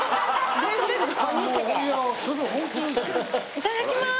いただきます。